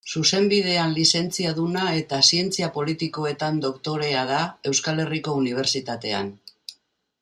Zuzenbidean lizentziaduna eta Zientzia politikoetan doktorea da Euskal Herriko Unibertsitatean.